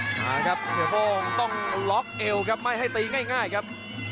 มาครับเสียโป้งต้องล็อกเอวครับไม่ให้ตีง่ายครับ